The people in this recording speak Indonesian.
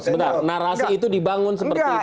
bentar narasi itu dibangun seperti itu sekarang